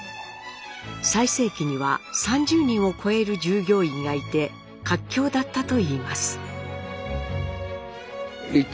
最盛期には３０人を超える従業員がいて活況だったといいます。